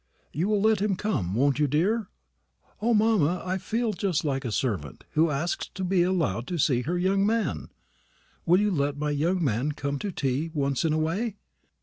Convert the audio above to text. You'll let him come, won't you, dear? O, mamma, I feel just like a servant who asks to be allowed to see her 'young man.' Will you let my 'young man' come to tea once in a way?"